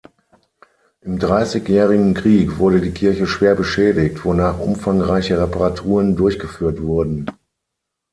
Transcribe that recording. Im Dreißigjährigen Krieg wurde die Kirche schwer beschädigt, wonach umfangreiche Reparaturen durchgeführt wurden.